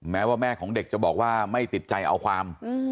แม้ว่าแม่ของเด็กจะบอกว่าไม่ติดใจเอาความ